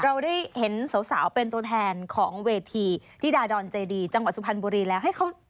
เราได้เห็นสาวเป็นตัวแทนของเวทีธิดาดอนเจดีจังหวัดสุพรรณบุรีแล้วให้เขา